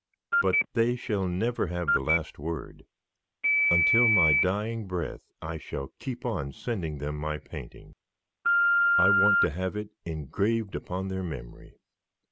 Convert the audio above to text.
But they shall never have the last word; until my dying breath I shall keep on sending them my painting. I want to have it engraved upon their memory."